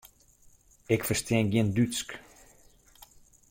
Ik ferstean gjin Dútsk.